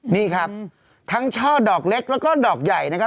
นี่ครับทั้งช่อดอกเล็กแล้วก็ดอกใหญ่นะครับ